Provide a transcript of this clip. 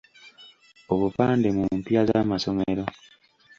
Obupande mu mpya z'amasomero.